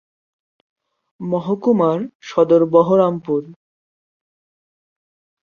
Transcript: মহকুমার সদর বহরমপুর।